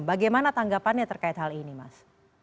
bagaimana tanggapannya terkait hal ini mas